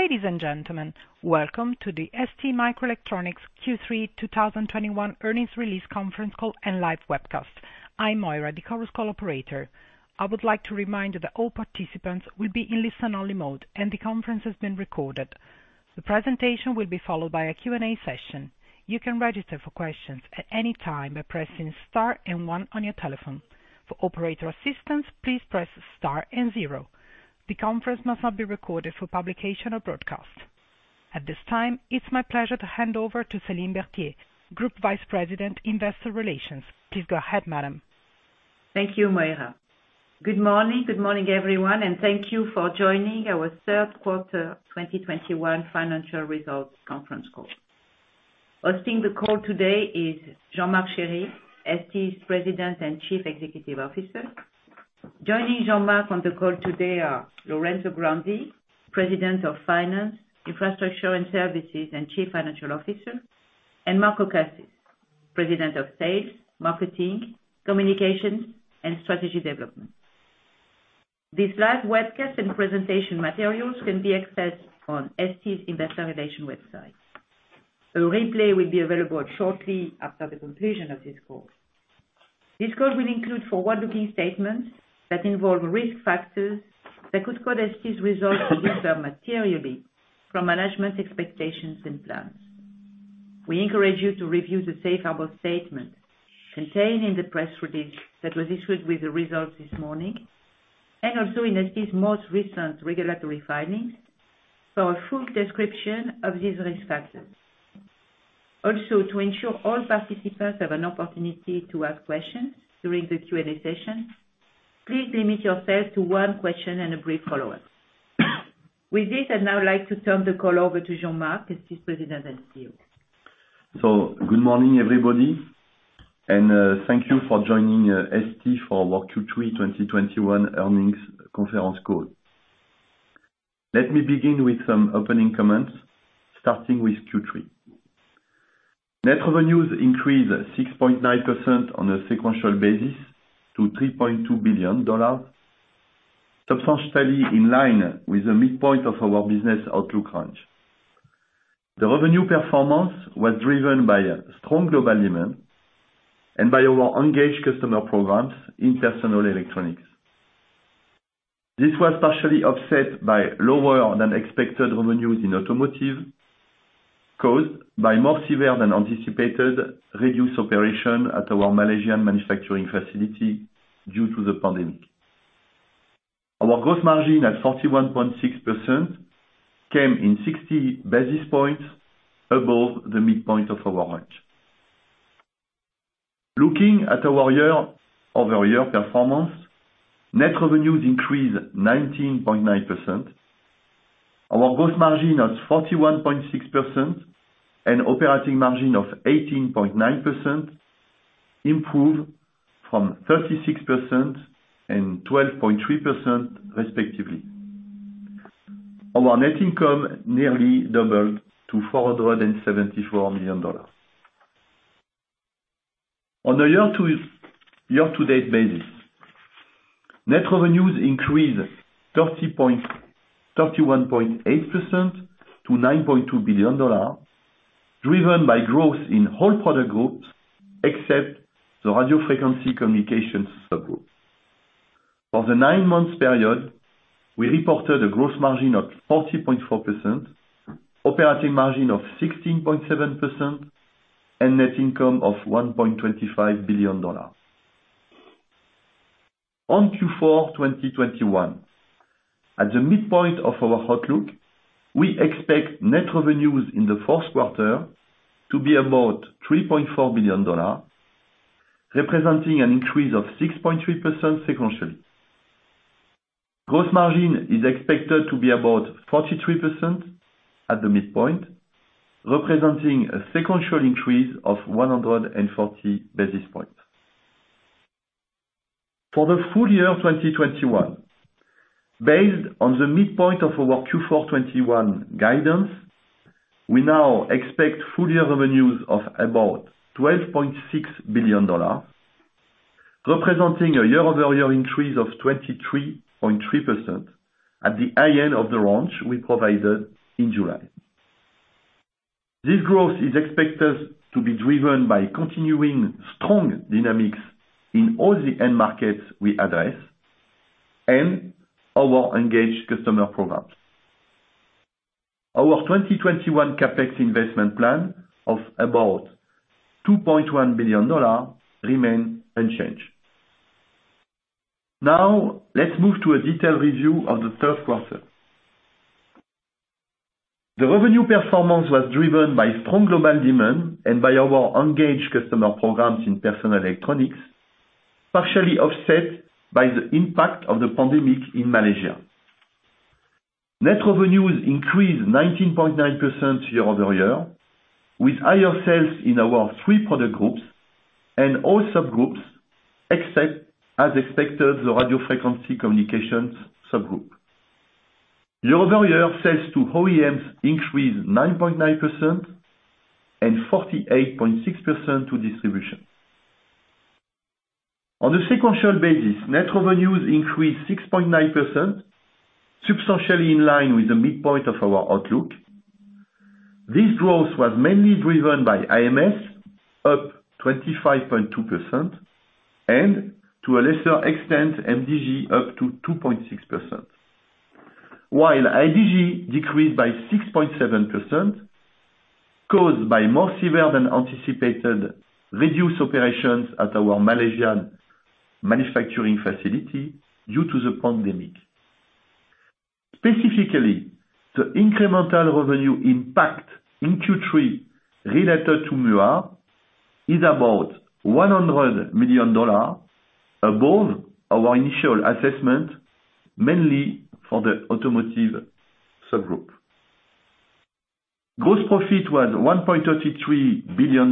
Ladies and gentlemen, welcome to the STMicroelectronics Q3 2021 Earnings Release Conference Call and live webcast. I'm Moira, the Chorus Call operator. I would like to remind you that all participants will be in listen-only mode and the conference is being recorded. The presentation will be followed by a Q&A session. You can register for questions at any time by pressing star and one on your telephone. For operator assistance, please press star and zero. The conference must not be recorded for publication or broadcast. At this time, it's my pleasure to hand over to Céline Berthier, Group Vice President, Investor Relations. Please go ahead, madam. Thank you, Moira. Good morning. Good morning, everyone, and thank you for joining our third quarter 2021 financial results conference call. Hosting the call today is Jean-Marc Chery, ST's President and Chief Executive Officer. Joining Jean-Marc on the call today are Lorenzo Grandi, President of Finance, Infrastructure and Services, and Chief Financial Officer, and Marco Cassis, President of Sales, Marketing, Communications, and Strategy Development. This live webcast and presentation materials can be accessed on ST's investor relations website. A replay will be available shortly after the conclusion of this call. This call will include forward-looking statements that involve risk factors that could cause ST's results to differ materially from management expectations and plans. We encourage you to review the safe harbor statement contained in the press release that was issued with the results this morning and also in ST's most recent regulatory filings for a full description of these risk factors. To ensure all participants have an opportunity to ask questions during the Q&A session, please limit yourself to one question and a brief follow-up. With this, I'd now like to turn the call over to Jean-Marc, ST's President and CEO. Good morning, everybody, and thank you for joining ST for our Q3 2021 earnings conference call. Let me begin with some opening comments, starting with Q3. Net revenues increased 6.9% on a sequential basis to $3.2 billion, substantially in line with the midpoint of our business outlook range. The revenue performance was driven by strong global demand and by our engaged customer programs in personal electronics. This was partially offset by lower than expected revenues in automotive caused by more severe than anticipated reduced operation at our Malaysian manufacturing facility due to the pandemic. Our gross margin at 41.6% came in 60 basis points above the midpoint of our range. Looking at our year-over-year performance, net revenues increased 19.9%. Our gross margin of 41.6% and operating margin of 18.9% improved from 36% and 12.3% respectively. Our net income nearly doubled to $474 million. On a year-to-date basis, net revenues increased 31.8% to $9.2 billion, driven by growth in all product groups except the radio frequency communications subgroup. For the nine-month period, we reported a gross margin of 40.4%, operating margin of 16.7%, and net income of $1.25 billion. On Q4 2021, at the midpoint of our outlook, we expect net revenues in the fourth quarter to be about $3.4 billion, representing an increase of 6.3% sequentially. Gross margin is expected to be about 43% at the midpoint, representing a sequential increase of 140 basis points. For the full year 2021, based on the midpoint of our Q4 2021 guidance, we now expect full year revenues of about $12.6 billion, representing a year-over-year increase of 23.3% at the high end of the range we provided in July. This growth is expected to be driven by continuing strong dynamics in all the end markets we address and our engaged customer programs. Our 2021 CapEx investment plan of about $2.1 billion remain unchanged. Now, let's move to a detailed review of the third quarter. The revenue performance was driven by strong global demand and by our engaged customer programs in personal electronics, partially offset by the impact of the pandemic in Malaysia. Net revenues increased 19.9% year-over-year, with higher sales in our three product groups and all subgroups except, as expected, the radio frequency communications subgroup. Year-over-year sales to OEMs increased 9.9% and 48.6% to distribution. On a sequential basis, net revenues increased 6.9%, substantially in line with the midpoint of our outlook. This growth was mainly driven by AMS, up 25.2%, and to a lesser extent, MDG up 2.6%. While ADG decreased by 6.7%, caused by more severe than anticipated reduced operations at our Malaysian manufacturing facility due to the pandemic. Specifically, the incremental revenue impact in Q3 related to Muar is about $100 million above our initial assessment, mainly for the automotive subgroup. Gross profit was $1.33 billion,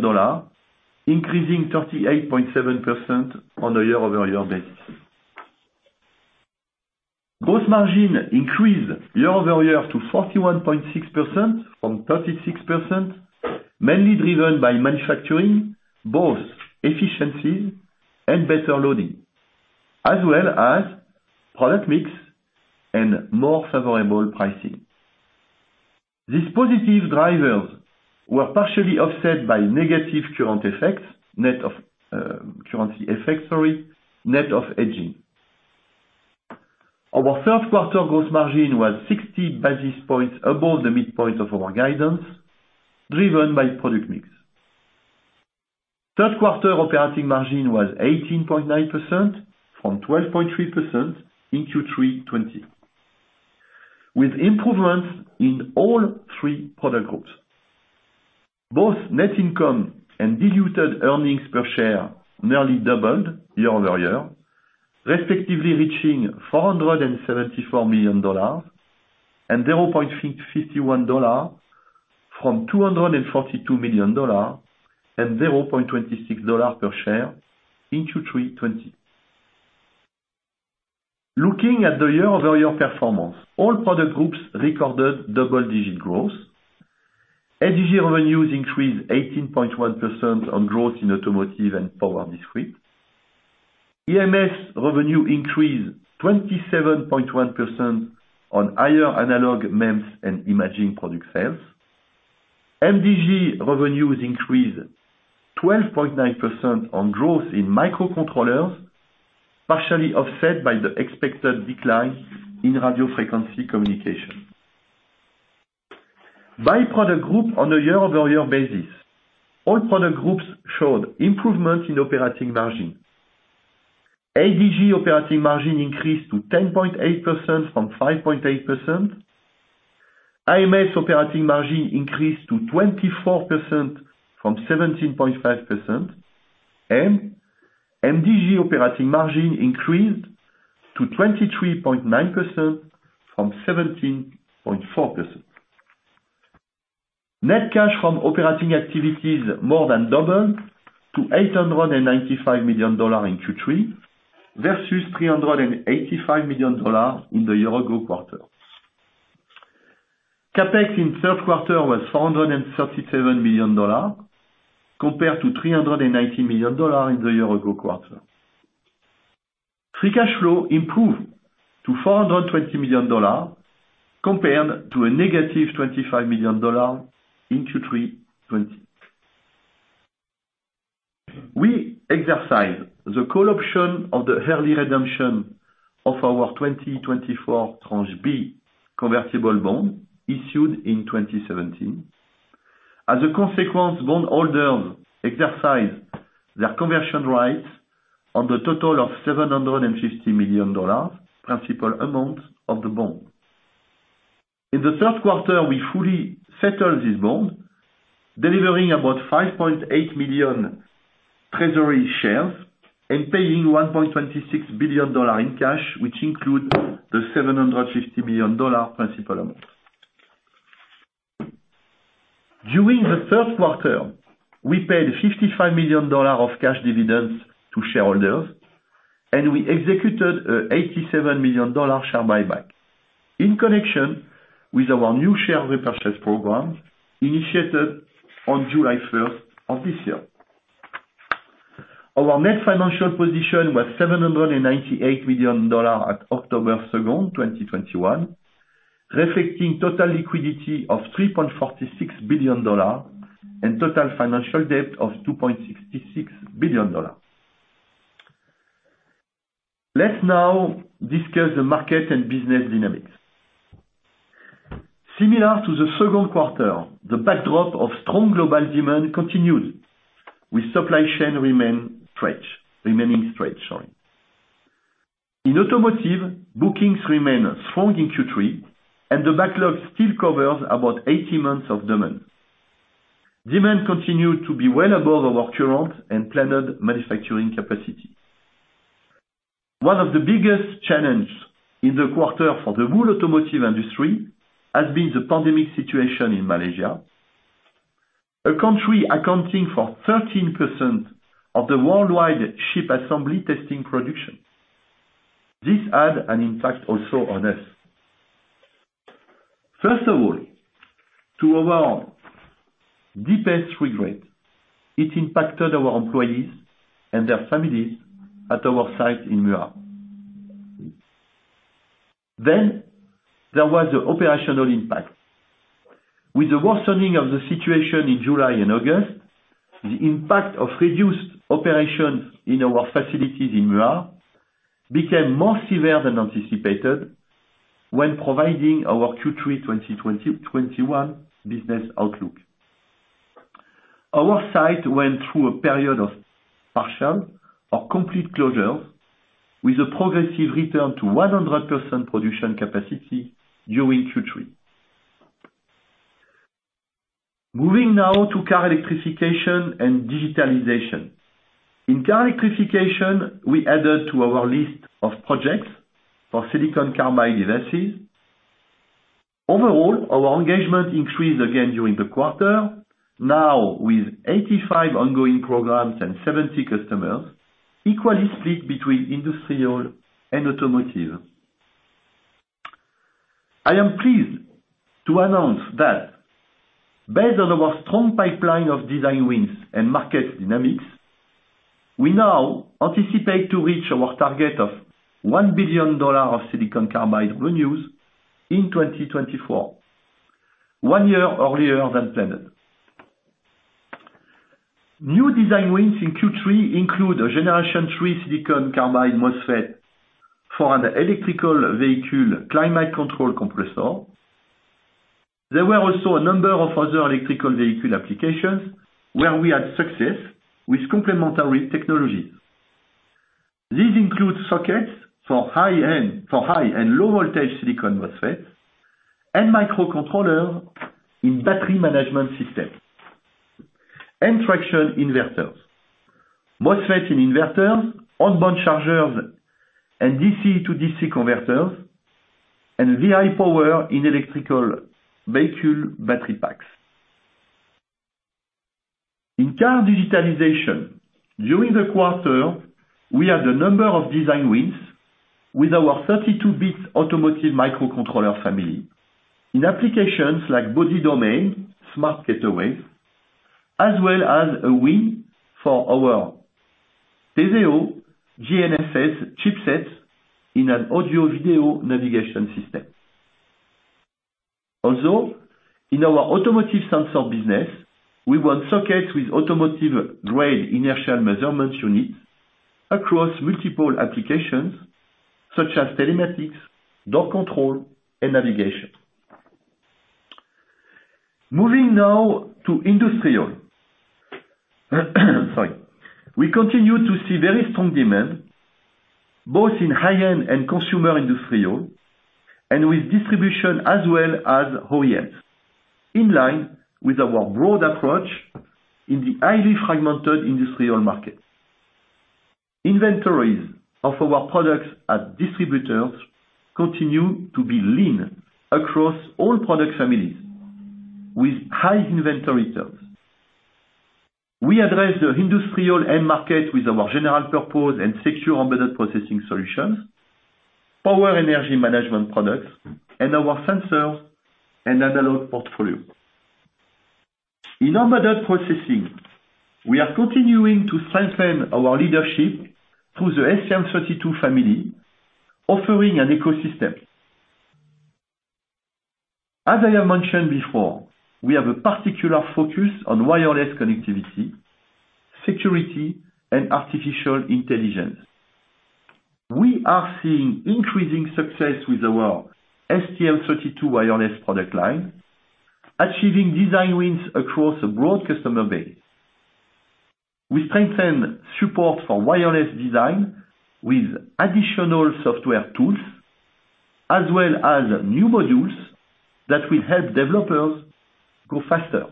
increasing 38.7% on a year-over-year basis. Gross margin increased year-over-year to 41.6% from 36%, mainly driven by manufacturing, both efficiencies and better loading, as well as product mix and more favorable pricing. These positive drivers were partially offset by negative currency effects net of hedging. Our third quarter gross margin was 60 basis points above the midpoint of our guidance, driven by product mix. Third quarter operating margin was 18.9% from 12.3% in Q3 2020, with improvements in all three product groups. Both net income and diluted earnings per share nearly doubled year-over-year, respectively reaching $474 million and $0.51 from $242 million and $0.26 per share in Q3 2020. Looking at the year-over-year performance, all product groups recorded double-digit growth. ADG revenues increased 18.1% on growth in automotive and power discrete. AMS revenue increased 27.1% on higher analog MEMS and imaging product sales. MDG revenues increased 12.9% on growth in microcontrollers, partially offset by the expected decline in radio frequency communications. By product group on a year-over-year basis, all product groups showed improvement in operating margin. ADG operating margin increased to 10.8% from 5.8%. AMS operating margin increased to 24% from 17.5%. MDG operating margin increased to 23.9% from 17.4%. Net cash from operating activities more than doubled to $895 million in Q3 versus $385 million in the year-ago quarter. CapEx in third quarter was $437 million compared to $390 million in the year-ago quarter. Free cash flow improved to $420 million compared to -$25 million in Q3 2020. We exercised the call option of the early redemption of our 2024 Tranche B convertible bond issued in 2017. As a consequence, bondholders exercised their conversion rights on the total of $750 million principal amount of the bond. In the third quarter, we fully settled this bond, delivering about 5.8 million treasury shares and paying $1.26 billion in cash, which include the $750 million principal amount. During the third quarter, we paid $55 million of cash dividends to shareholders, and we executed an $87 million share buyback in connection with our new share repurchase program initiated on July 1st of this year. Our net financial position was $798 million at October 2nd, 2021, reflecting total liquidity of $3.46 billion and total financial debt of $2.66 billion. Let's now discuss the market and business dynamics. Similar to the second quarter, the backdrop of strong global demand continued with supply chain remaining stretched. In Automotive, bookings remained strong in Q3, and the backlog still covers about eight months of demand. Demand continued to be well above our current and planned manufacturing capacity. One of the biggest challenge in the quarter for the whole automotive industry has been the pandemic situation in Malaysia, a country accounting for 13% of the worldwide chip assembly testing production. This had an impact also on us. First of all, to our deepest regret, it impacted our employees and their families at our site in Muar. Then there was the operational impact. With the worsening of the situation in July and August, the impact of reduced operations in our facilities in Muar became more severe than anticipated when providing our Q3 2021 business outlook. Our site went through a period of partial or complete closures with a progressive return to 100% production capacity during Q3. Moving now to Car Electrification and Digitalization. In Car Electrification, we added to our list of projects for silicon carbide devices. Overall, our engagement increased again during the quarter. Now, with 85 ongoing programs and 70 customers, equally split between Industrial and Automotive. I am pleased to announce that based on our strong pipeline of design wins and market dynamics, we now anticipate to reach our target of $1 billion of silicon carbide revenues in 2024, one year earlier than planned. New design wins in Q3 include a Generation III silicon carbide MOSFET for an electric vehicle climate control compressor. There were also a number of other electric vehicle applications where we had success with complementary technologies. These include sockets for high and low voltage silicon MOSFET, and microcontroller in battery management systems and traction inverters. MOSFET in inverters, on-board chargers and DC-to-DC converters, and VIPower in electric vehicle battery packs. In Car Digitalization, during the quarter, we had a number of design wins with our 32-bit automotive microcontroller family in applications like body domain, smart gateways, as well as a win for our Teseo GNSS chipset in an audio video navigation system. Also, in our automotive sensor business, we won sockets with automotive-grade inertial measurement units across multiple applications such as telematics, door control and navigation. Moving now to Industrial. We continue to see very strong demand both in high-end and consumer industrial and with distribution as well as OEMs, in line with our broad approach in the highly fragmented industrial market. Inventories of our products at distributors continue to be lean across all product families with high inventory turns. We address the industrial end market with our general purpose and secure embedded processing solutions, power and energy management products, and our sensors and analog portfolio. In embedded processing, we are continuing to strengthen our leadership through the STM32 family, offering an ecosystem. As I have mentioned before, we have a particular focus on wireless connectivity, security, and artificial intelligence. We are seeing increasing success with our STM32 wireless product line, achieving design wins across a broad customer base. We strengthen support for wireless design with additional software tools, as well as new modules that will help developers go faster.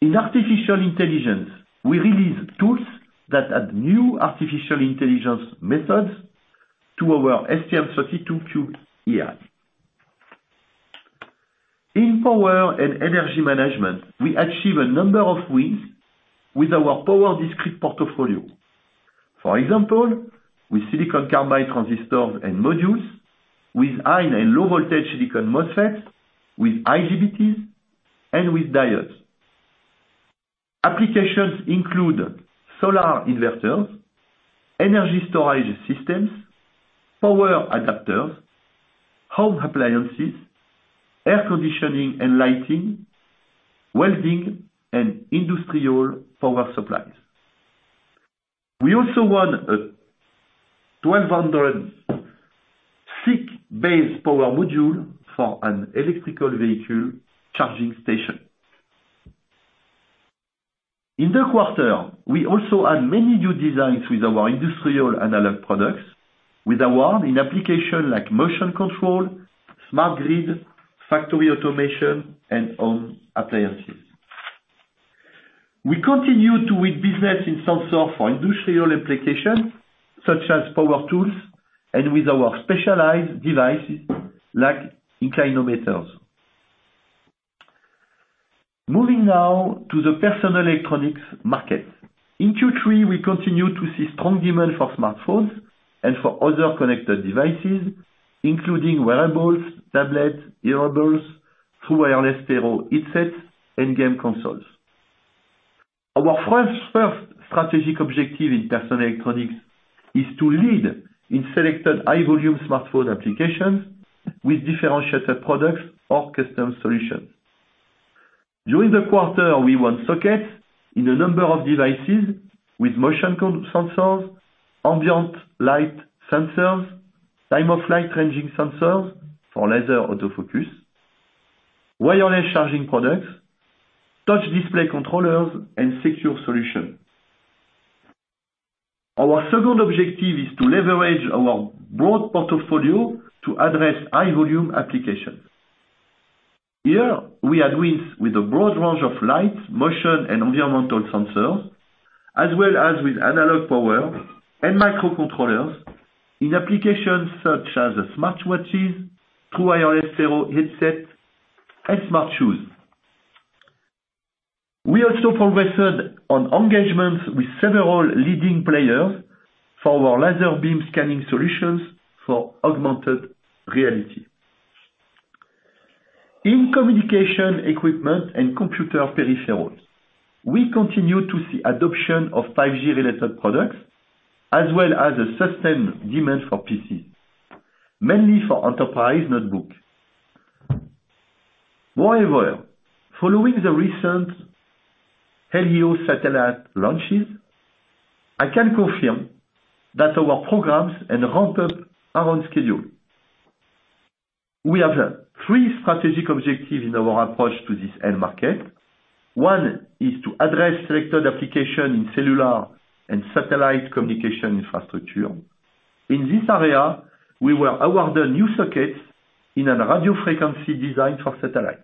In artificial intelligence, we release tools that add new artificial intelligence methods to our STM32Cube.AI. In power and energy management, we achieve a number of wins with our power discrete portfolio. For example, with silicon carbide transistors and modules, with high and low voltage silicon MOSFET, with IGBTs, and with diodes. Applications include solar inverters, energy storage systems, power adapters, home appliances, air conditioning and lighting, welding, and industrial power supplies. We also won a 1200 SiC-based power module for an electric vehicle charging station. In the quarter, we also had many new designs with our industrial analog products, with awards in applications like motion control, smart grid, factory automation, and home appliances. We continue to win business in sensors for industrial applications, such as power tools and with our specialized devices like inclinometers. Moving now to the personal electronics market. In Q3, we continue to see strong demand for smartphones and for other connected devices, including wearables, tablets, hearables, True Wireless Stereo headsets, and game consoles. Our first strategic objective in personal electronics is to lead in selected high-volume smartphone applications with differentiated products or custom solutions. During the quarter, we won sockets in a number of devices with motion sensors, ambient light sensors, time-of-flight ranging sensors for laser autofocus, wireless charging products, touch display controllers, and secure solutions. Our second objective is to leverage our broad portfolio to address high-volume applications. Here, we are doing well with a broad range of light, motion, and environmental sensors, as well as with analog power and microcontrollers in applications such as smartwatches, True Wireless Stereo headsets, and smart shoes. We also progressed on engagements with several leading players for our laser beam scanning solutions for augmented reality. In communication equipment and computer peripherals, we continue to see adoption of 5G-related products, as well as a sustained demand for PCs, mainly for enterprise notebooks. Moreover, following the recent Helios satellite launches, I can confirm that our programs and ramp-up are on schedule. We have three strategic objectives in our approach to this end market. One is to address selected applications in cellular and satellite communication infrastructure. In this area, we were awarded new circuits in a radio frequency design for satellite.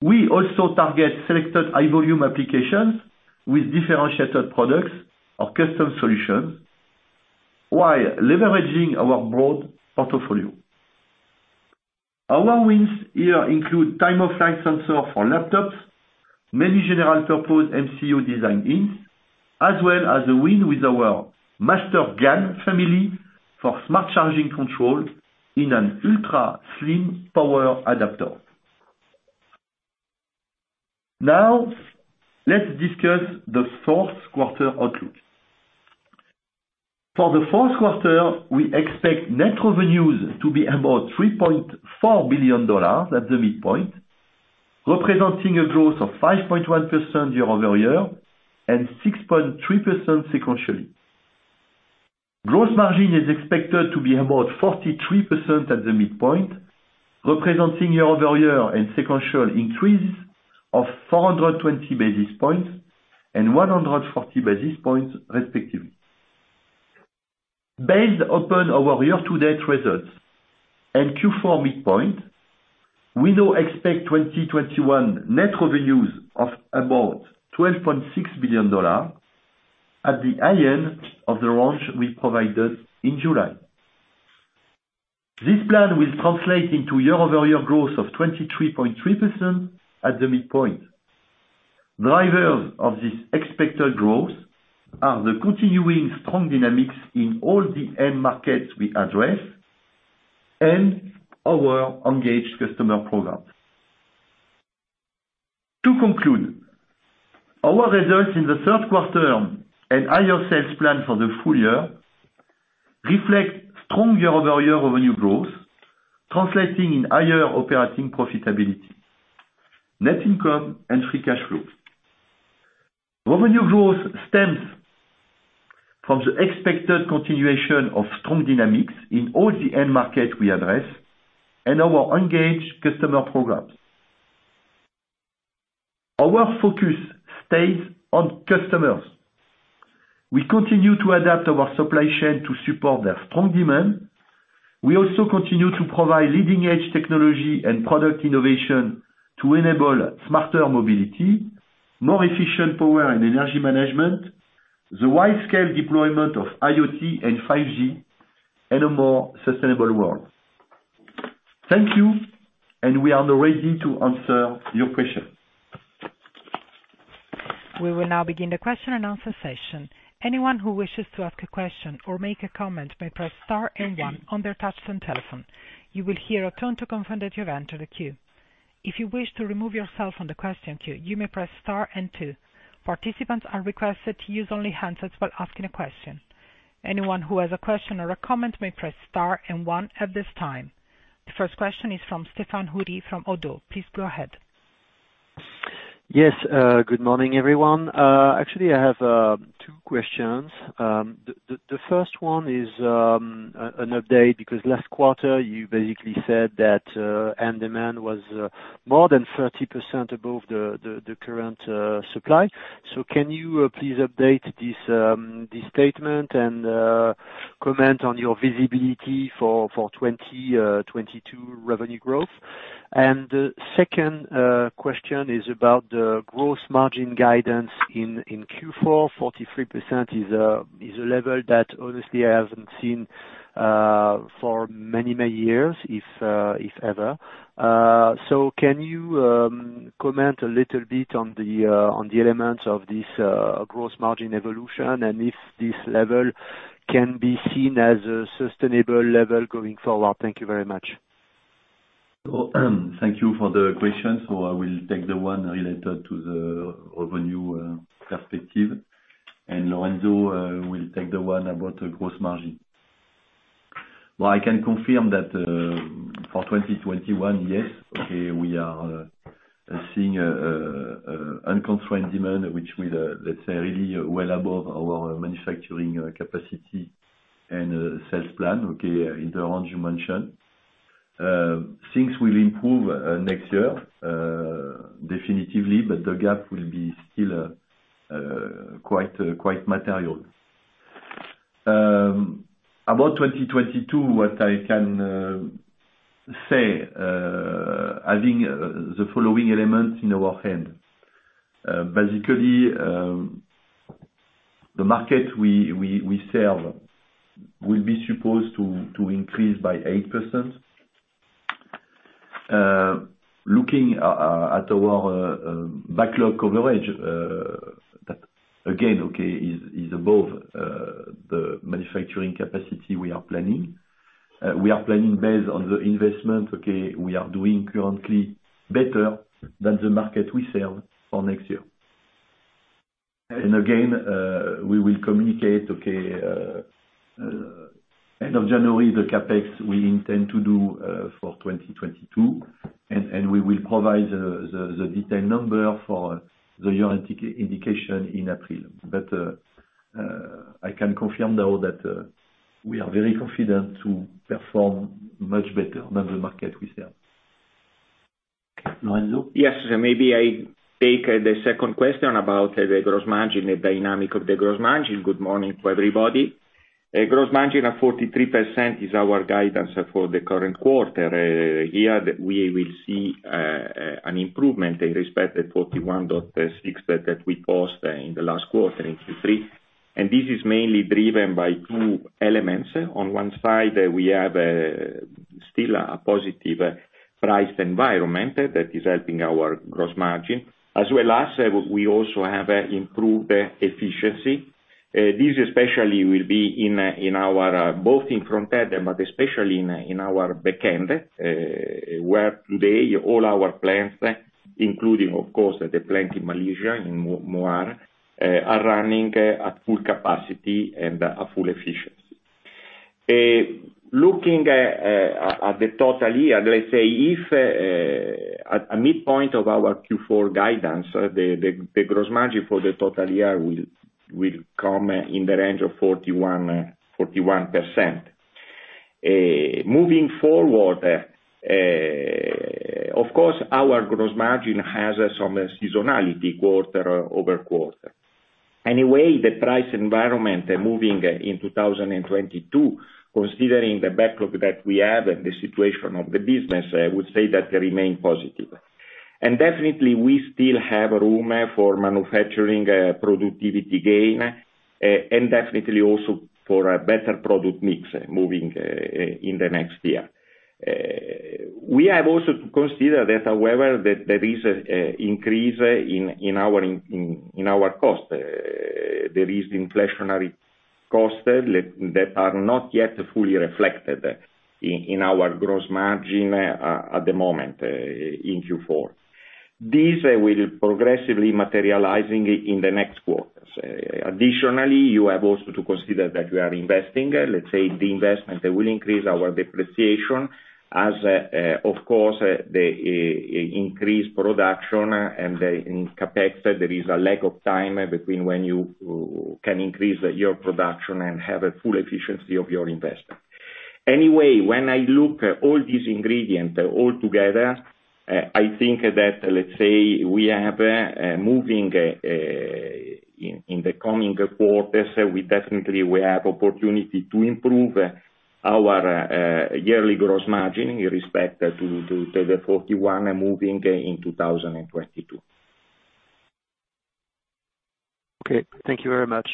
We also target selected high-volume applications with differentiated products or custom solutions while leveraging our broad portfolio. Our wins here include time-of-flight sensor for laptops, many general-purpose MCU design-ins, as well as a win with our MasterGaN family for smart charging control in an ultra-slim power adapter. Now, let's discuss the fourth quarter outlook. For the fourth quarter, we expect net revenues to be about $3.4 billion at the midpoint, representing a growth of 5.1% year-over-year and 6.3% sequentially. Gross margin is expected to be about 43% at the midpoint, representing year-over-year and sequential increases of 420 basis points and 140 basis points, respectively. Based upon our year-to-date results and Q4 midpoint, we now expect 2021 net revenues of about $12.6 billion at the high end of the range we provided in July. This plan will translate into year-over-year growth of 23.3% at the midpoint. Drivers of this expected growth are the continuing strong dynamics in all the end markets we address and our engaged customer programs. To conclude, our results in the third quarter and higher sales plan for the full year reflect strong year-over-year revenue growth, translating in higher operating profitability, net income, and free cash flow. Revenue growth stems from the expected continuation of strong dynamics in all the end markets we address and our engaged customer programs. Our focus stays on customers. We continue to adapt our supply chain to support their strong demand. We also continue to provide leading-edge technology and product innovation to enable smarter mobility, more efficient power and energy management, the wide-scale deployment of IoT and 5G, and a more sustainable world. Thank you, and we are now ready to answer your questions. We will now begin the question-and-answer session. Anyone who wishes to ask a question or make a comment may press star and one on their touchtone telephone. You will hear a tone to confirm that you have entered the queue. If you wish to remove yourself from the question queue, you may press star and two. Participants are requested to use only handsets while asking a question. Anyone who has a question or a comment may press star and one at this time. The first question is from Stéphane Houri from ODDO. Please go ahead. Yes, good morning, everyone. Actually, I have two questions. The first one is an update because last quarter you basically said that end demand was more than 30% above the current supply. So can you please update this statement and comment on your visibility for 2022 revenue growth? The second question is about the gross margin guidance in Q4. 43% is a level that honestly I haven't seen for many, many years, if ever. So can you comment a little bit on the elements of this gross margin evolution, and if this level can be seen as a sustainable level going forward? Thank you very much. Well, thank you for the question. I will take the one related to the revenue perspective, and Lorenzo will take the one about the gross margin. Well, I can confirm that for 2021, yes, okay, we are seeing a uncontrolled demand which will, let's say really well above our manufacturing capacity and sales plan, okay, in the range you mentioned. Things will improve next year definitively, but the gap will be still quite material. About 2022, what I can say having the following elements in our hand. Basically, the market we serve will be supposed to increase by 8%. Looking at our backlog coverage, that again, okay, is above the manufacturing capacity we are planning. We are planning based on the investment, okay. We are doing currently better than the market we serve for next year. Again, we will communicate, okay, end of January, the CapEx we intend to do, for 2022. We will provide the detailed number for the year indication in April. I can confirm though that we are very confident to perform much better than the market we serve. Lorenzo? Yes. Maybe I take the second question about the gross margin, the dynamic of the gross margin. Good morning, everybody. A gross margin of 43% is our guidance for the current quarter. Here we will see an improvement in respect to 41.6% that we posted in the last quarter in Q3. This is mainly driven by two elements. On one side, we have still a positive price environment that is helping our gross margin. As well as we also have improved efficiency. This especially will be in our both in front end, but especially in our back end, where today all our plants, including of course the plant in Malaysia, in Muar, are running at full capacity and at full efficiency. Looking at the total year, let's say at a midpoint of our Q4 guidance, the gross margin for the total year will come in the range of 41%. Moving forward, of course, our gross margin has some seasonality quarter over quarter. Anyway, the price environment moving in 2022, considering the backlog that we have and the situation of the business, I would say that remain positive. Definitely we still have room for manufacturing productivity gain, and definitely also for a better product mix moving in the next year. We have also to consider that however that there is an increase in our cost. There is inflationary costs that are not yet fully reflected in our gross margin at the moment in Q4. This will progressively materializing in the next quarters. Additionally, you have also to consider that we are investing. Let's say the investment will increase our depreciation as of course the increase production and the CapEx, there is a lag of time between when you can increase your production and have a full efficiency of your investment. Anyway, when I look at all these ingredients all together, I think that let's say we have room in the coming quarters, we definitely have opportunity to improve our yearly gross margin in respect to the 41% in 2022. Okay. Thank you very much.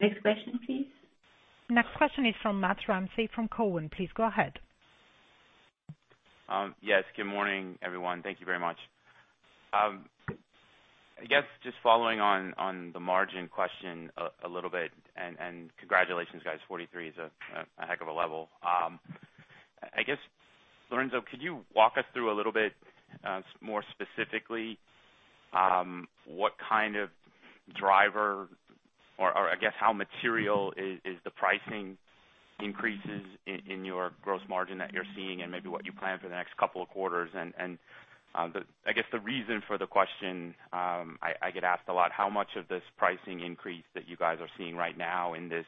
Next question, please. Next question is from Matt Ramsay from Cowen. Please go ahead. Yes. Good morning, everyone. Thank you very much. I guess just following on the margin question a little bit and congratulations guys, 43% is a heck of a level. I guess, Lorenzo, could you walk us through a little bit more specifically what kind of driver or I guess how material is the pricing increases in your gross margin that you're seeing and maybe what you plan for the next couple of quarters. I guess the reason for the question, I get asked a lot how much of this pricing increase that you guys are seeing right now in this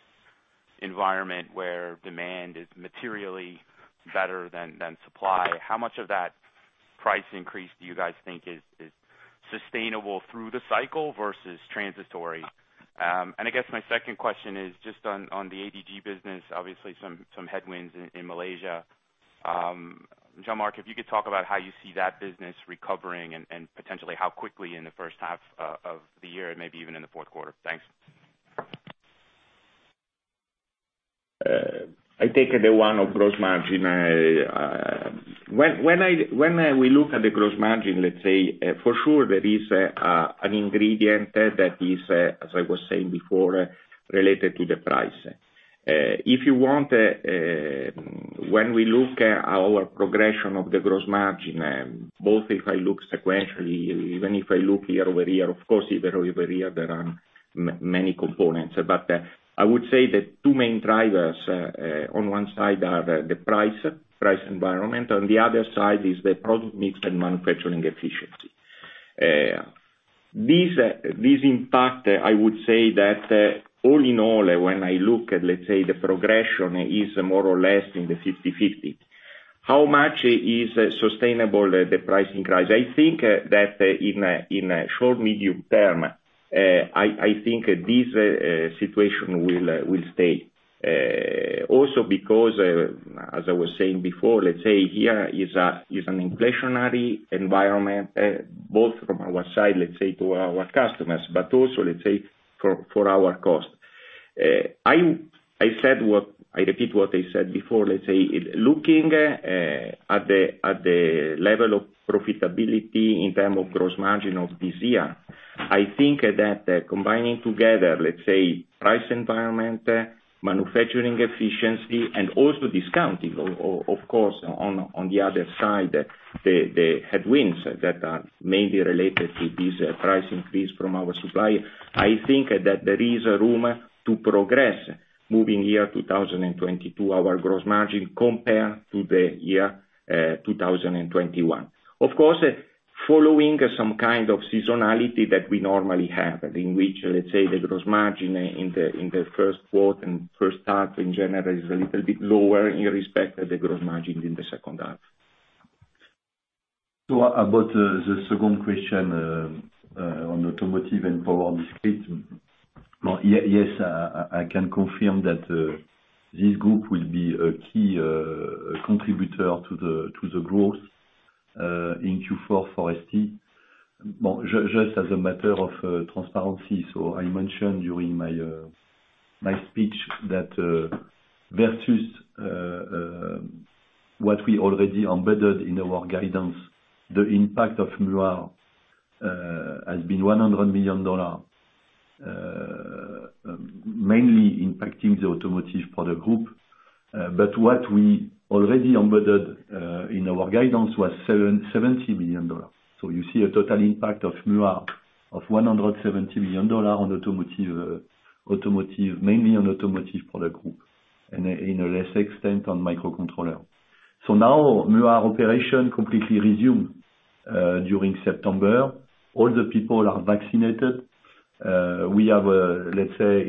environment where demand is materially better than supply, how much of that price increase, do you guys think, is sustainable through the cycle versus transitory? I guess my second question is just on the ADG business, obviously some headwinds in Malaysia. Jean-Marc, if you could talk about how you see that business recovering and potentially how quickly in the first half of the year and maybe even in the fourth quarter? Thanks. I take the one of gross margin. When we look at the gross margin, let's say, for sure there is an ingredient that is, as I was saying before, related to the price. If you want, when we look at our progression of the gross margin, both if I look sequentially, even if I look year over year, of course year over year there are many components. I would say that two main drivers, on one side are the price environment, on the other side is the product mix and manufacturing efficiency. This impact, I would say that all in all, when I look at let's say the progression is more or less in the 50/50. How much is sustainable the pricing rise? I think that in a short, medium term, I think this situation will stay. Also because, as I was saying before, let's say here is an inflationary environment, both from our side, let's say to our customers, but also let's say for our cost. I repeat what I said before, let's say, looking at the level of profitability in terms of gross margin of this year, I think that combining together, let's say price environment, manufacturing efficiency and also discounting of course on the other side, the headwinds that are mainly related to this price increase from our supplier. I think that there is room to progress moving year 2022, our gross margin, compared to the year 2021. Of course, following some kind of seasonality that we normally have, in which let's say the gross margin in the first quarter and first half in general is a little bit lower with respect to the gross margin in the second half. About the second question on automotive and power discrete. Yes, I can confirm that this group will be a key contributor to the growth in Q4 for ST. Well, just as a matter of transparency, I mentioned during my speech that versus what we already embedded in our guidance, the impact of Muar has been $100 million mainly impacting the automotive product group. What we already embedded in our guidance was $770 million. You see a total impact of Muar of $170 million on automotive mainly on automotive product group, and to a lesser extent on microcontroller. Now Muar operation completely resumed during September. All the people are vaccinated. We have a, let's say,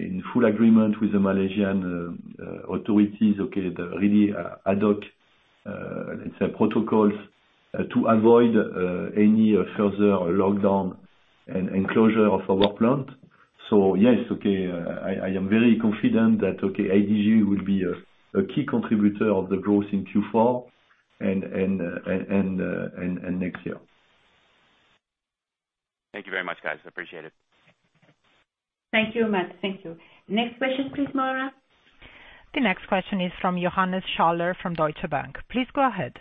in full agreement with the Malaysian authorities, okay, they really adopt, let's say protocols to avoid any further lockdown and enclosure of our plant. Yes, okay, I am very confident that, okay, ADG will be a key contributor of the growth in Q4 and next year. Thank you very much, guys. I appreciate it. Thank you, Matt. Thank you. Next question please, Moira. The next question is from Johannes Schaller from Deutsche Bank. Please go ahead.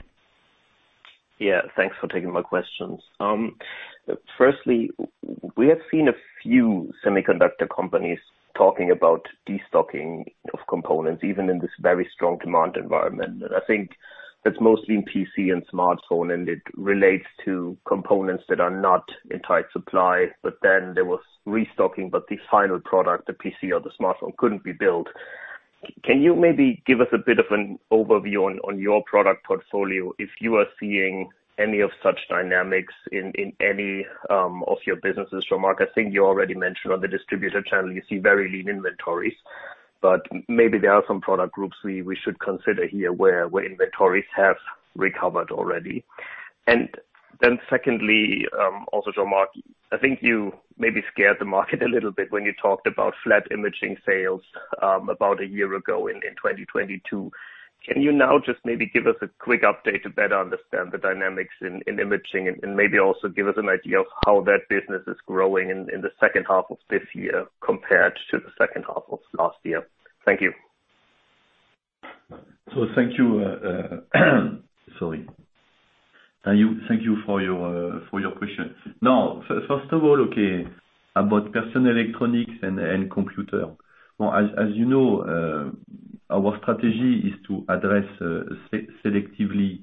Yeah, thanks for taking my questions. Firstly, we have seen a few semiconductor companies talking about destocking of components, even in this very strong demand environment. I think that's mostly in PC and smartphone, and it relates to components that are not in tight supply. But then there was restocking, but the final product, the PC or the smartphone, couldn't be built. Can you maybe give us a bit of an overview on your product portfolio, if you are seeing any of such dynamics in any of your businesses? Jean-Marc, I think you already mentioned on the distributor channel you see very lean inventories, but maybe there are some product groups we should consider here where inventories have recovered already. Secondly also Jean-Marc, I think you maybe scared the market a little bit when you talked about flat imaging sales, about a year ago in 2022. Can you now just maybe give us a quick update to better understand the dynamics in imaging and maybe also give us an idea of how that business is growing in the second half of this year compared to the second half of last year? Thank you. Thank you. Sorry. Thank you for your question. Now, first of all, about personal electronics and computer. Well, as you know, our strategy is to address selectively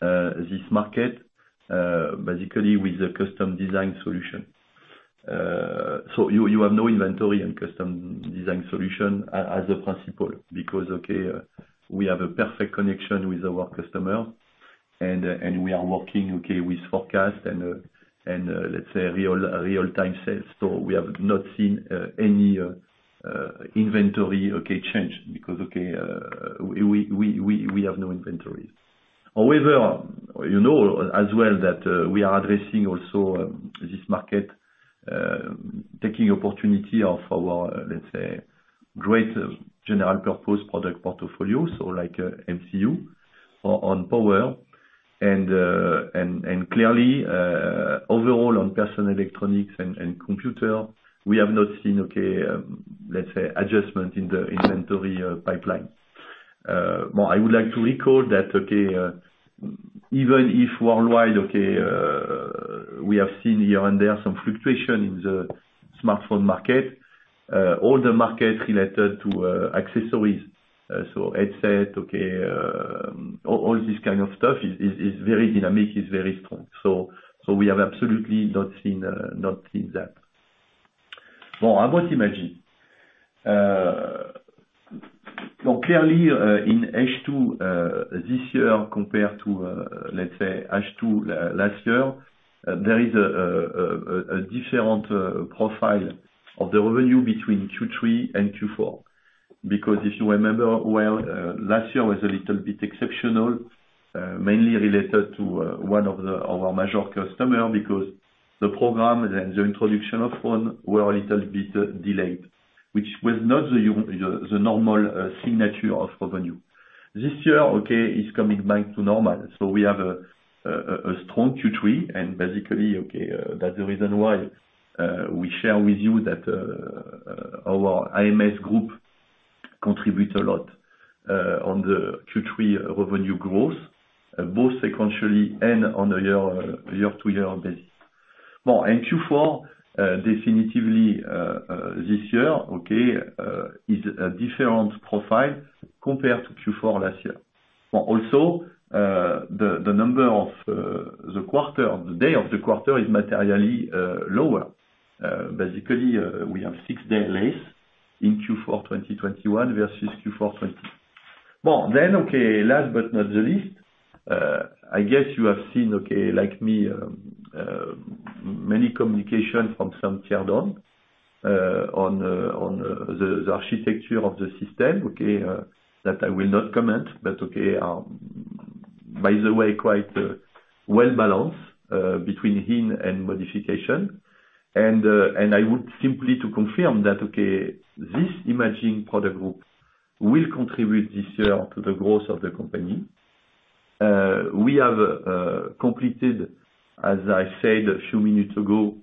this market basically with a custom design solution. So you have no inventory and custom design solution as a principle because we have a perfect connection with our customer and we are working with forecast and let's say real time sales. We have not seen any inventory change because we have no inventory. However, you know as well that we are addressing also this market, taking opportunity of our, let's say, great general purpose product portfolio, so like MCU or on power and clearly overall on personal electronics and computer, we have not seen let's say adjustment in the inventory pipeline. Well, I would like to recall that even if worldwide we have seen here and there some fluctuation in the smartphone market, all the market related to accessories, headset, all this kind of stuff is very dynamic, is very strong. We have absolutely not seen that. I would imagine, clearly, in H2 this year compared to, let's say, H2 last year, there is a different profile of the revenue between Q3 and Q4. Because if you remember well, last year was a little bit exceptional, mainly related to one of our major customer because the program and the introduction of phone were a little bit delayed, which was not the normal signature of revenue. This year is coming back to normal. We have a strong Q3 and basically, that's the reason why we share with you that our AMS group contributes a lot on the Q3 revenue growth, both sequentially and on a year-to-year basis. In Q4, definitively, this year is a different profile compared to Q4 last year. Also, the number of days in the quarter is materially lower. Basically, we have six-day delays in Q4 in 2021 versus Q4 2020. Last but not the least, I guess you have seen, like me, many communications from Samsung on the architecture of the system that I will not comment, but by the way, quite well-balanced between him and modification. I would simply like to confirm that this imaging product group will contribute this year to the growth of the company. We have completed, as I said a few minutes ago,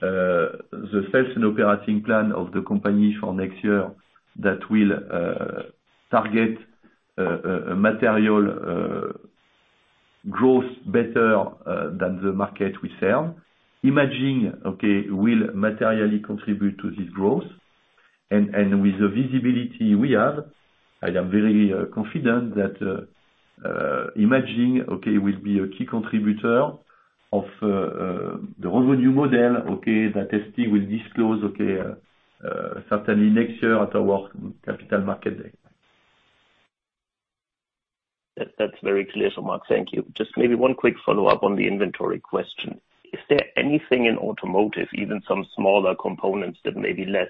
the sales and operating plan of the company for next year that will target material growth better than the market we sell. Imaging, okay, will materially contribute to this growth. With the visibility we have, I am very confident that imaging, okay, will be a key contributor of the revenue model, okay, that ST will disclose, okay, certainly next year at our Capital Markets Day. That's very clear Jean-Marc, thank you. Just maybe one quick follow-up on the inventory question. Is there anything in automotive, even some smaller components that may be less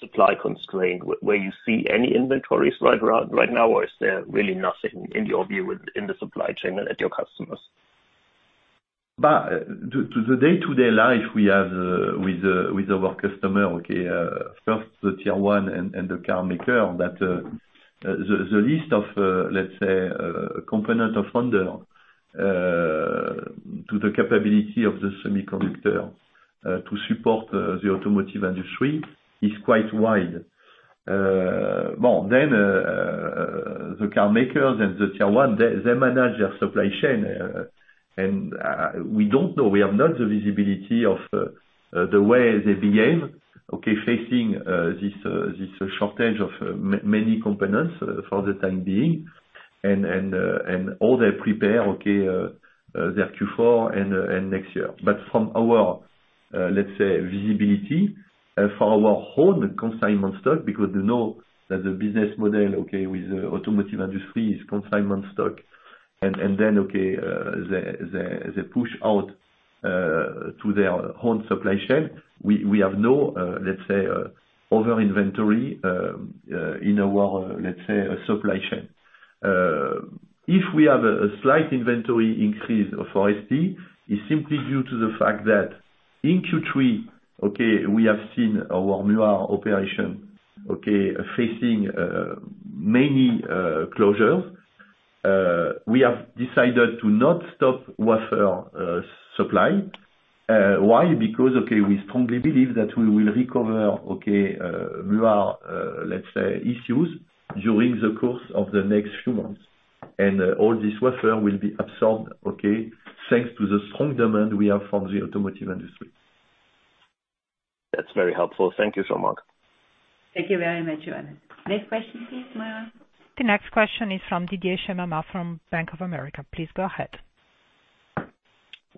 supply constrained, where you see any inventories right now? Or is there really nothing in your view in the supply chain and at your customers? The day-to-day life we have with our customer, first the Tier 1 and the car maker. The list of, let's say, components under the capability of the semiconductor to support the automotive industry is quite wide. Well, the car makers and the Tier 1, they manage their supply chain. We don't know. We have not the visibility of the way they behave facing this shortage of many components for the time being and how they prepare their Q4 and next year. From our, let's say, visibility for our own consignment stock, because you know that the business model with the automotive industry is consignment stock. Then the push out to their own supply chain. We have no, let's say, other inventory in our, let's say, supply chain. If we have a slight inventory increase for ST, it's simply due to the fact that in Q3, we have seen our Muar operation facing many closures. We have decided to not stop wafer supply. Why? Because we strongly believe that we will recover Muar, let's say, issues during the course of the next few months. All this wafer will be absorbed, thanks to the strong demand we have from the automotive industry. That's very helpful. Thank you so much. Thank you very much, Johannes. Next question please, Moira. The next question is from Didier Scemama, from Bank of America. Please go ahead.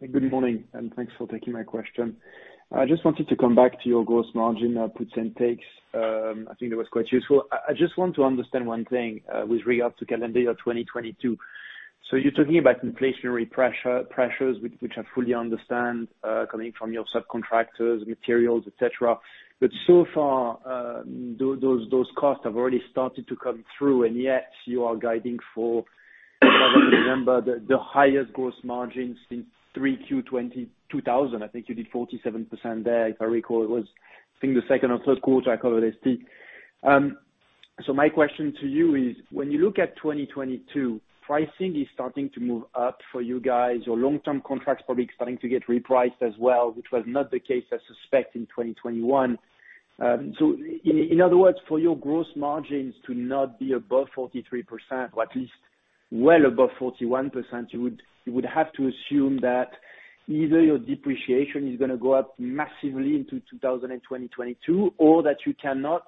Good morning, and thanks for taking my question. I just wanted to come back to your gross margin, puts and takes. I think that was quite useful. I just want to understand one thing, with regards to calendar year 2022. You're talking about inflationary pressures, which I fully understand, coming from your subcontractors, materials, et cetera. So far, those costs have already started to come through, and yet you are guiding for the highest gross margin since 3Q 2000. I think you did 47% there. If I recall, it was, I think the second or third quarter I covered ST. My question to you is, when you look at 2022, pricing is starting to move up for you guys. Your long-term contracts probably starting to get repriced as well, which was not the case, I suspect, in 2021. In other words, for your gross margins to not be above 43%, or at least well above 41%, you would have to assume that either your depreciation is gonna go up massively into 2022, or that you cannot,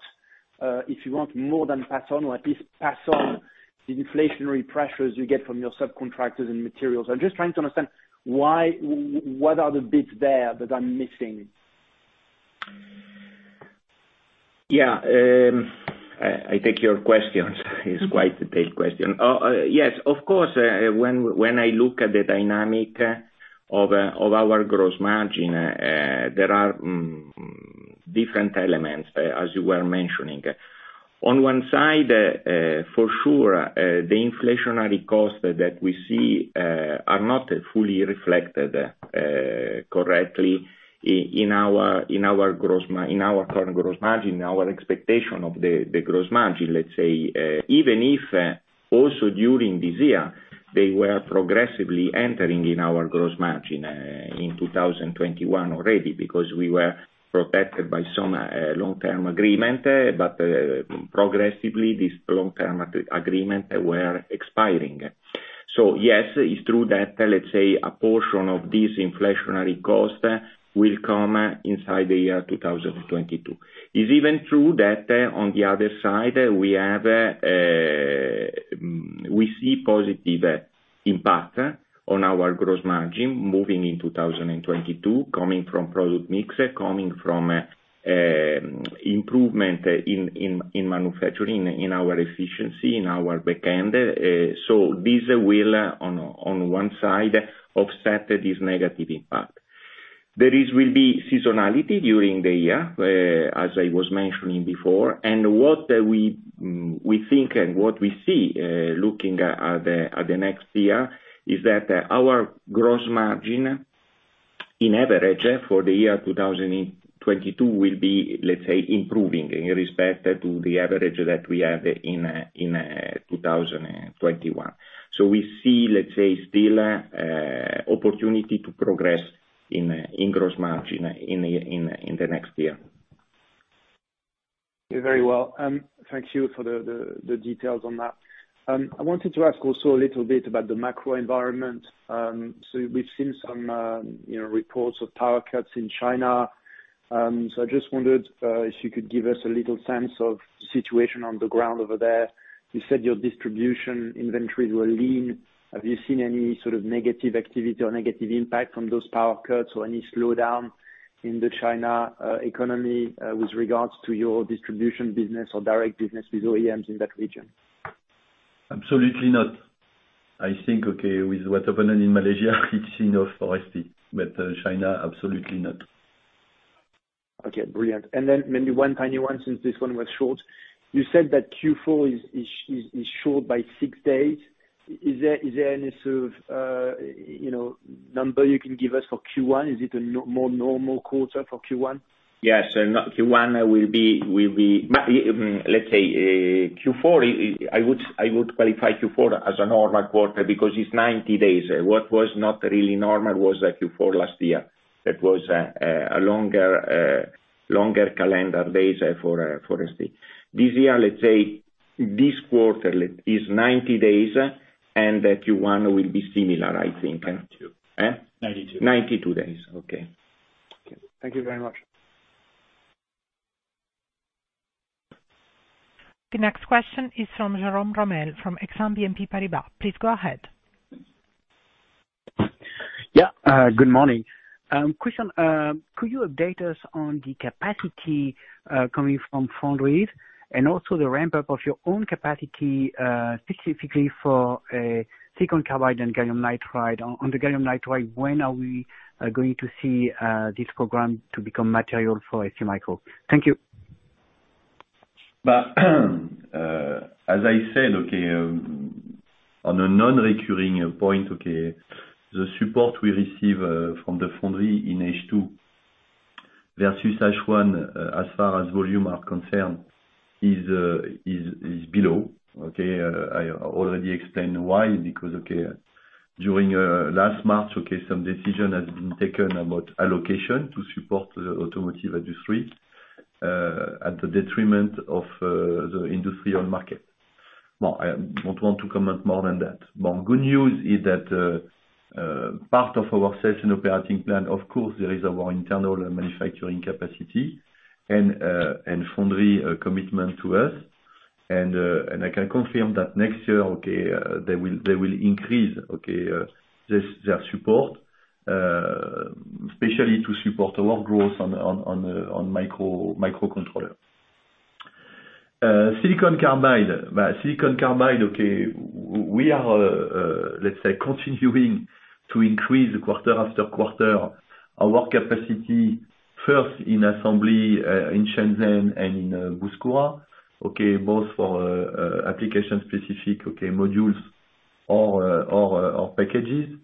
if you want more than pass on or at least pass on the inflationary pressures you get from your subcontractors and materials. I'm just trying to understand why, what are the bits there that I'm missing? Yeah. I take your questions. It's quite the big question. Yes, of course, when I look at the dynamic of our gross margin, there are different elements as you were mentioning. On one side, for sure, the inflationary costs that we see are not fully reflected correctly in our current gross margin, our expectation of the gross margin, let's say. Even if also during this year, they were progressively entering in our gross margin in 2021 already because we were protected by some long-term agreement, but progressively, this long-term agreement were expiring. Yes, it's true that, let's say, a portion of this inflationary cost will come inside the year 2022. It's even true that on the other side, we see positive impact on our gross margin moving in 2022, coming from product mix, coming from improvement in manufacturing, in our efficiency, in our back end. This will on one side, offset this negative impact. There will be seasonality during the year as I was mentioning before. What we think and what we see looking at the next year, is that our gross margin in average for the year 2022 will be, let's say, improving in respect to the average that we have in 2021. We see, let's say, still opportunity to progress in gross margin in the next year. Very well. Thank you for the details on that. I wanted to ask also a little bit about the macro environment. We've seen some, you know, reports of power cuts in China. I just wondered if you could give us a little sense of the situation on the ground over there. You said your distribution inventories were lean. Have you seen any sort of negative activity or negative impact from those power cuts or any slowdown in the China economy with regards to your distribution business or direct business with OEMs in that region? Absolutely not. I think, okay, with what happened in Malaysia, it's enough for ST. China, absolutely not. Okay, brilliant. Maybe one tiny one since this one was short. You said that Q4 is short by six days. Is there any sort of number you can give us for Q1? Is it a more normal quarter for Q1? Yes. Q1 will be let's say Q4. I would qualify Q4 as a normal quarter because it's 90 days. What was not really normal was the Q4 last year. That was a longer calendar days for ST. This year, let's say, this quarter is 90 days, and Q1 will be similar, I think. 92 92 days. Okay. Thank you very much. The next question is from Jerome Ramel, from Exane BNP Paribas. Please go ahead. Good morning. Question, could you update us on the capacity coming from foundries and also the ramp-up of your own capacity specifically for silicon carbide and gallium nitride. On the gallium nitride, when are we going to see this program to become material for STMicroelectronics? Thank you. As I said, on a non-recurring point, the support we receive from the foundry in H2 versus H1, as far as volume are concerned, is below. I already explained why. Because during last March, some decision has been taken about allocation to support the automotive industry at the detriment of the industrial market. I don't want to comment more than that. Good news is that part of our sales and operating plan, of course, there is our internal manufacturing capacity and foundry commitment to us. I can confirm that next year they will increase their support, especially to support our growth on the microcontroller. Silicon carbide. Silicon carbide. We are, let's say, continuing to increase quarter after quarter our capacity first in assembly in Shenzhen and in Bouskoura, both for application specific modules or packages.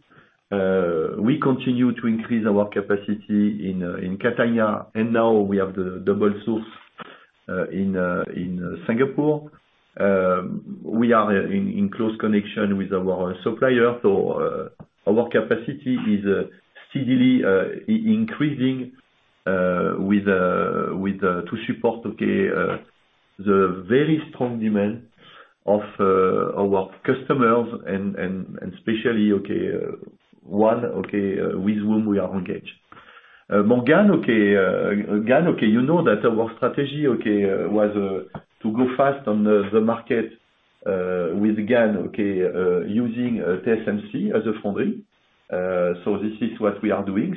We continue to increase our capacity in Catania, and now we have the dual source in Singapore. We are in close connection with our supplier. Our capacity is steadily increasing to support the very strong demand of our customers and especially one with whom we are engaged. On GaN, you know that our strategy was to go fast on the market with GaN using TSMC as a foundry. This is what we are doing.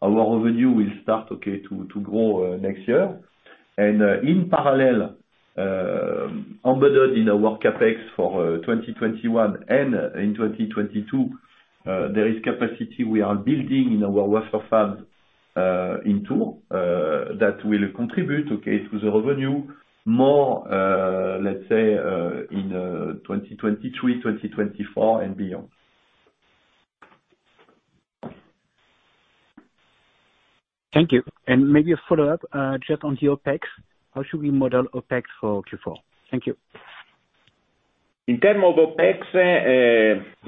Our revenue will start to grow next year. In parallel, embedded in our CapEx for 2021 and in 2022, there is capacity we are building in our wafer fab that will contribute to the revenue more, let's say, in 2023, 2024 and beyond. Thank you. Maybe a follow-up, just on the OpEx. How should we model OpEx for Q4? Thank you. In terms of OpEx,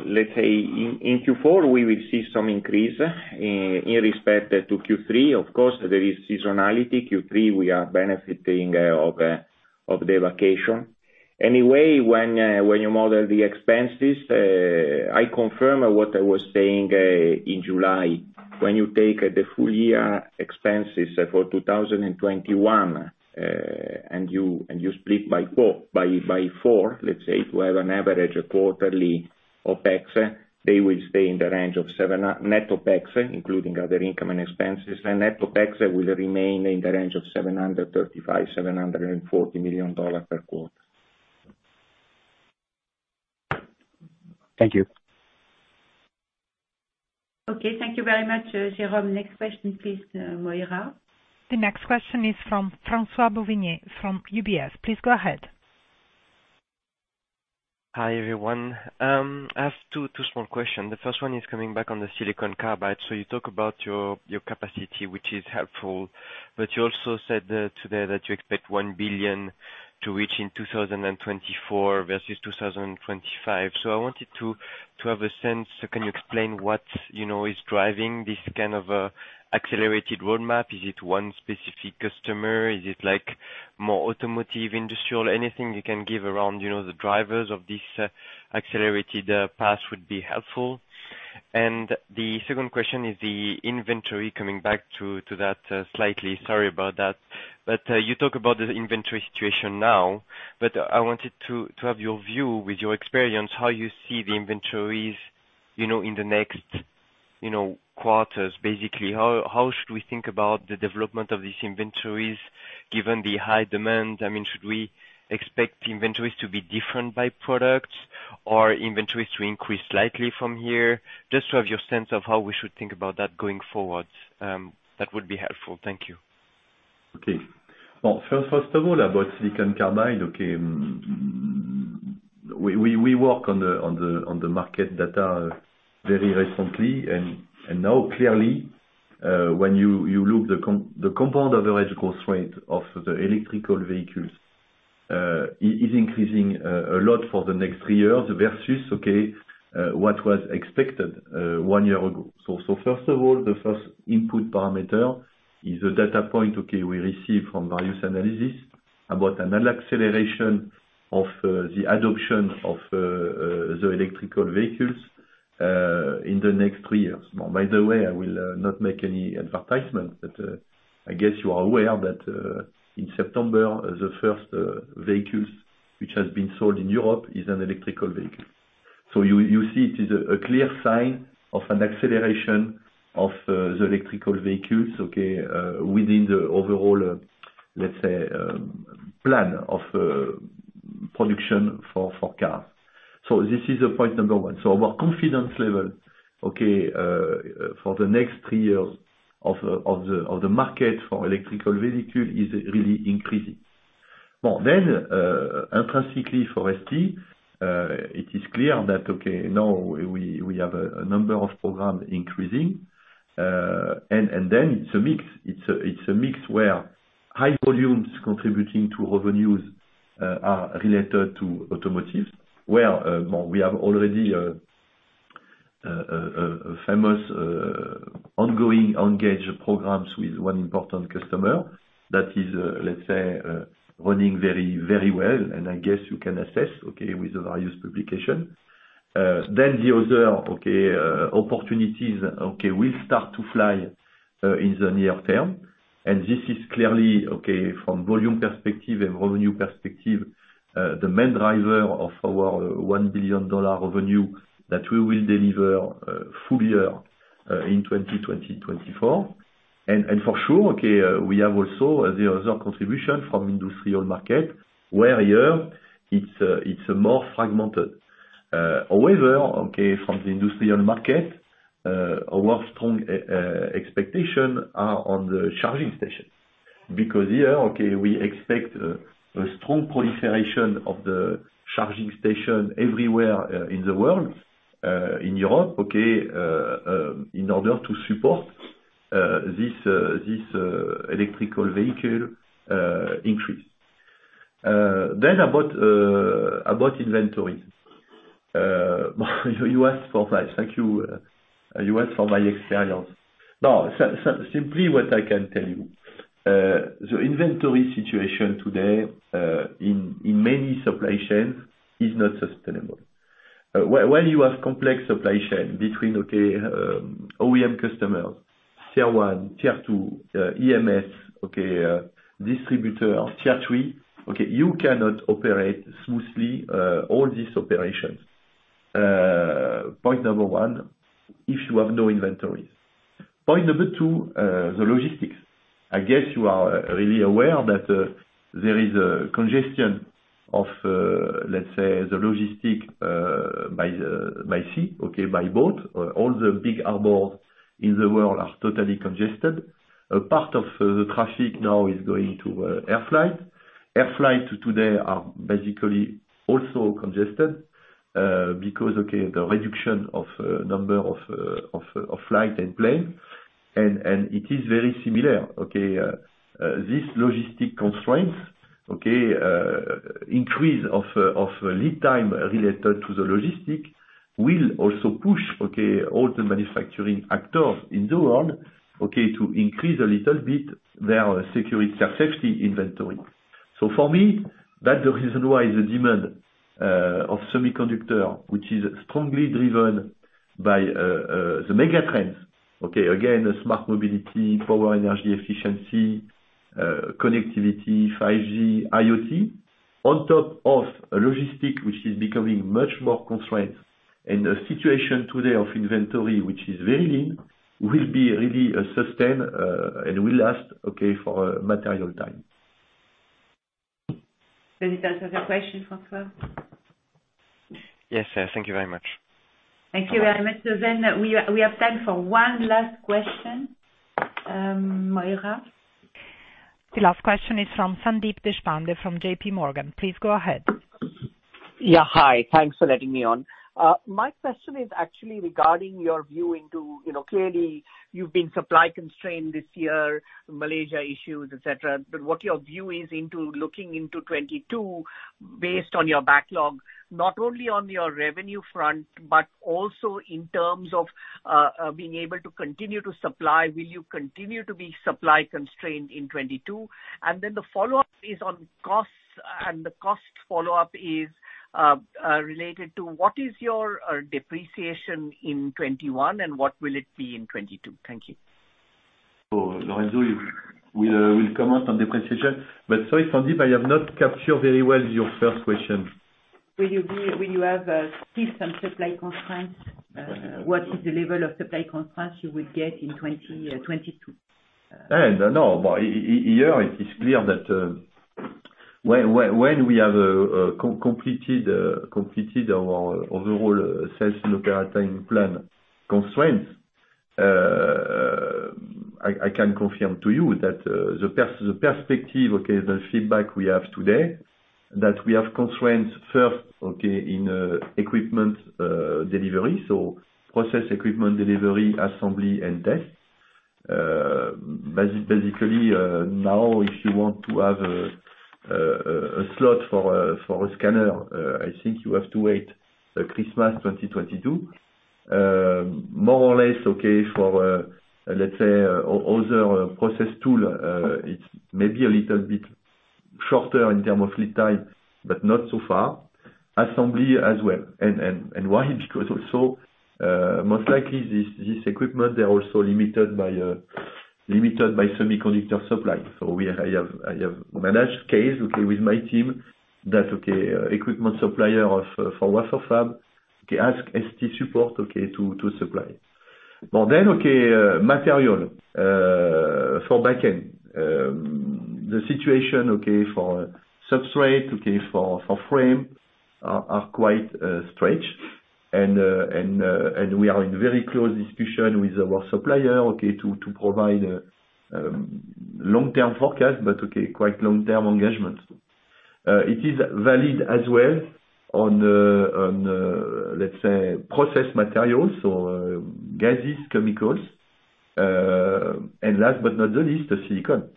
let's say in Q4 we will see some increase with respect to Q3. Of course, there is seasonality. Q3 we are benefiting from the vacation. Anyway, when you model the expenses, I confirm what I was saying in July. When you take the full year expenses for 2021 and you split by four, let's say to have an average quarterly OpEx, net OpEx, including other income and expenses, will remain in the range of $735 million-$740 million per quarter. Thank you. Okay, thank you very much, Jerome. Next question, please, Moira. The next question is from François Bouvignies from UBS. Please go ahead. Hi, everyone. I have two small questions. The first one is coming back on the silicon carbide. You talk about your capacity, which is helpful, but you also said today that you expect to reach $1 billion in 2024 versus 2025. I wanted to have a sense, can you explain what, you know, is driving this kind of accelerated roadmap? Is it one specific customer? Is it like more automotive, industrial? Anything you can give around, you know, the drivers of this accelerated path would be helpful. The second question is the inventory coming back to that slightly. Sorry about that. You talk about the inventory situation now. I wanted to have your view with your experience, how you see the inventories, you know, in the next, you know, quarters. Basically, how should we think about the development of these inventories given the high demand? I mean, should we expect inventories to be different by products or inventories to increase slightly from here? Just to have your sense of how we should think about that going forward, that would be helpful. Thank you. Okay. Well, first of all, about silicon carbide, okay. We work on the market data very recently. Now clearly, when you look at the compound annual growth rate of the electric vehicles, is increasing a lot for the next three years versus what was expected one year ago. First of all, the first input parameter is a data point, okay, we receive from various analysis about another acceleration of the adoption of the electric vehicles in the next three years. Well, by the way, I will not make any advertisement but I guess you are aware that in September, the first vehicles which has been sold in Europe is an electric vehicle. You see it is a clear sign of an acceleration of the electric vehicles within the overall, let's say, plan of production for cars. This is point number one. Our confidence level for the next three years of the market for electric vehicle is really increasing. Well, intrinsically for ST, it is clear that now we have a number of programs increasing. It's a mix. It's a mix where high volumes contributing to revenues are related to automotive, where well, we have already a famous ongoing engaged programs with one important customer that is, let's say, running very well, and I guess you can assess with the various publications. Then the other opportunities will start to fly in the near term. This is clearly from volume perspective and revenue perspective the main driver of our $1 billion revenue that we will deliver full year in 2024. For sure we have also the other contribution from industrial market where here it's more fragmented. However from the industrial market, our strong expectation are on the charging station. Because here we expect a strong proliferation of the charging station everywhere in the world in Europe in order to support this electric vehicle increase. Then about inventory. You asked for that. Thank you. You asked for my experience. Now, simply what I can tell you, the inventory situation today, in many supply chains is not sustainable. When you have complex supply chain between OEM customers, Tier 1, Tier 2, AMS, distributor, Tier 3, you cannot operate smoothly all these operations. Point number one, if you have no inventories. Point number two, the logistics. I guess you are really aware that there is a congestion of, let's say, the logistics by sea, by boat. All the big harbors in the world are totally congested. A part of the traffic now is going to air freight. Air freight today is basically also congested because the reduction of number of flight and plane. It is very similar. This logistics constraints, increase of lead time related to the logistics will also push all the manufacturing actors in the world to increase a little bit their security safety inventory. For me, that's the reason why the demand of semiconductor, which is strongly driven by the megatrends, again, smart mobility, power energy efficiency, connectivity, 5G, IoT, on top of a logistics which is becoming much more constrained and a situation today of inventory which is very lean, will be really sustained and will last for a material time. Does it answer the question, François? Yes. Thank you very much. Thank you very much. We have time for one last question. Moira? The last question is from Sandeep Deshpande, from JPMorgan. Please go ahead. Yeah. Hi. Thanks for letting me on. My question is actually regarding your view into, you know, clearly you've been supply constrained this year, Malaysia issues, et cetera, but what your view is into looking into 2022 based on your backlog, not only on your revenue front, but also in terms of being able to continue to supply. Will you continue to be supply constrained in 2022? The follow-up is on costs, and the cost follow-up is related to what is your depreciation in 2021 and what will it be in 2022? Thank you. Lorenzo, you will comment on depreciation. Sorry, Sandeep, I have not captured very well your first question. Will you have system supply constraints? What is the level of supply constraints you will get in 2022? No. Here it is clear that when we have completed our overall sales operating plan constraints, I can confirm to you that the feedback we have today that we have constraints first in equipment delivery, so process equipment delivery, assembly and test. Basically, now if you want to have a slot for a scanner, I think you have to wait Christmas 2022. More or less, okay, for let's say other process tool, it's maybe a little bit shorter in terms of lead time, but not so far. Assembly as well. Why? Because also most likely this equipment, they're also limited by semiconductor supply. I have managed case with my team that equipment supplier for wafer fab ask ST support to supply. But then material for back-end. The situation for substrate for frame are quite stretched. We are in very close discussion with our supplier to provide long-term forecast but quite long-term engagement. It is valid as well on let's say process materials, so, gases, chemicals. And last but not the least the silicon.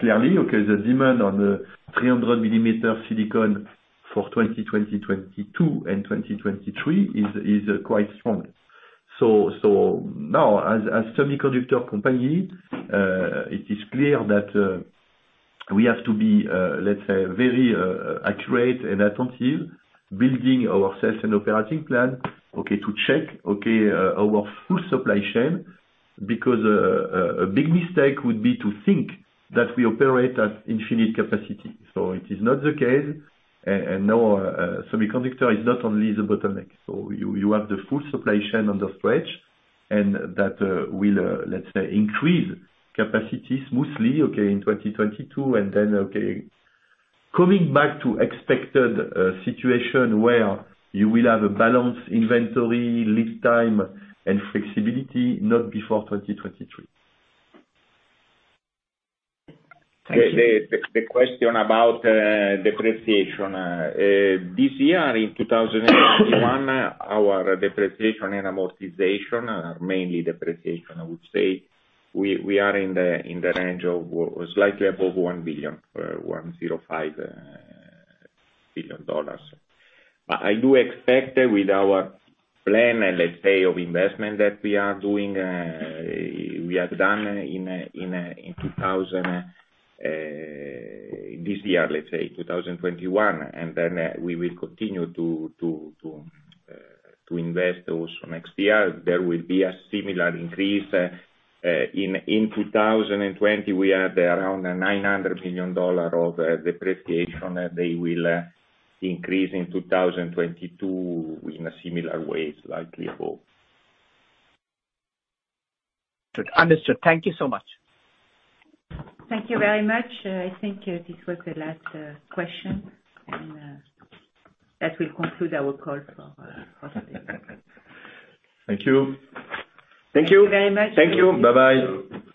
Clearly the demand on the 300mm silicon for 2022 and 2023 is quite strong. Now, as a semiconductor company, it is clear that we have to be, let's say, very accurate and attentive building our sales and operating plan to check our full supply chain. Because a big mistake would be to think that we operate at infinite capacity. It is not the case, and no semiconductor is not only the bottleneck. You have the full supply chain under stretch, and that will, let's say, increase capacity smoothly in 2022. Then, coming back to expected situation where you will have a balanced inventory, lead time and flexibility, not before 2023. Thank you. The question about depreciation. This year in 2021, our depreciation and amortization, mainly depreciation, I would say, we are in the range of, or slightly above $1.05 billion. I do expect with our plan, let's say, of investment that we are doing, we have done in this year, let's say 2021, and then we will continue to invest those next year. There will be a similar increase. In 2020 we are around $900 million dollars of depreciation. They will increase in 2022 in a similar way, slightly above. Understood. Thank you so much. Thank you very much. I think this was the last question and that will conclude our call for today. Thank you. Thank you. Thank you very much. Thank you. Bye-bye.